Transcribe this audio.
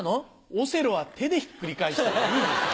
オセロは手でひっくり返した方がいいですよ。